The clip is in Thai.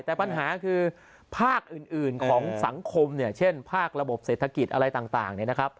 แต่ปัญหาคือภาคอื่นของสังคมเช่นภาคระบบเศรษฐกิจอะไรต่าง